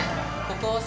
ここ。